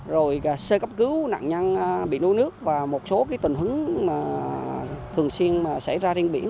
rồi xây cấp cứu nạn nhân bị nuôi nước và một số tình huống thường xuyên xảy ra trên biển